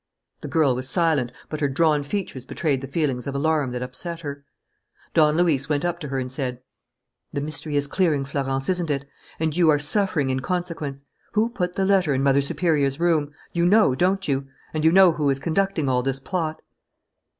The girl was silent, but her drawn features betrayed the feelings of alarm that upset her. Don Luis went up to her and said: "The mystery is clearing, Florence, isn't it? And you are suffering in consequence. Who put the letter in Mother Superior's room? You know, don't you? And you know who is conducting all this plot?"